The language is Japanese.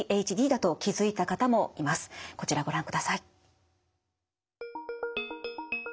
こちらをご覧ください。